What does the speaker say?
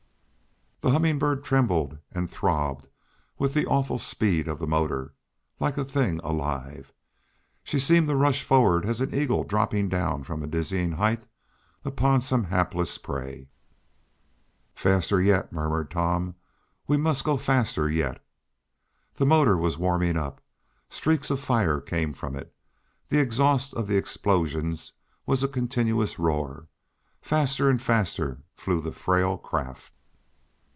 The Humming Bird trembled and throbbed with the awful speed of the motor, like a thing alive. She seemed to rush forward as an eagle dropping down from a dizzy height upon some hapless prey. "Faster yet!" murmured Tom. "We must go faster yet!" The motor was warming up. Streaks of fire came from it. The exhaust of the explosions was a continuous roar. Faster and faster flew the frail craft.